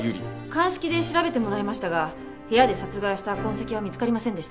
鑑識で調べてもらいましたが部屋で殺害した痕跡は見つかりませんでした。